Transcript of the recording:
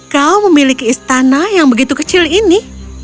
kau memiliki istana yang begitu kecil ini